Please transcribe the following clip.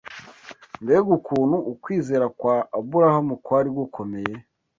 Mbega ukuntu ukwizera kwa Aburahamu kwari gukomeye!